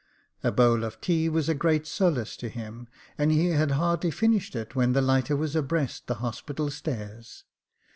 A bowl of tea was a great solace to him, and he had hardly finished it when the lighter was abreast the Hospital stairs.